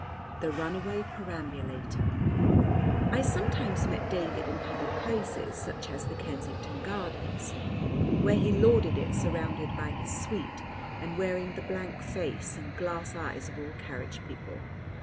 XI. The Runaway Perambulator I sometimes met David in public places such as the Kensington Gardens, where he lorded it surrounded by his suite and wearing the blank face and glass eyes of all carriage people.